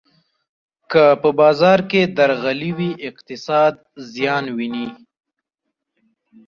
که په بازار کې درغلي وي، اقتصاد زیان ویني.